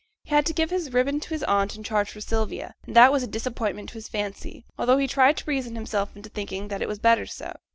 He had to give his ribbon to his aunt in charge for Sylvia, and that was a disappointment to his fancy, although he tried to reason himself into thinking that it was better so.